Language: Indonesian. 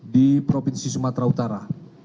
di provinsi sumatera utara